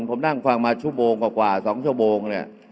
ผมนั่งฟังมาชั่วโมงกว่า๒ชั่วโมงเนี่ย